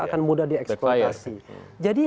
akan mudah dieksploitasi jadi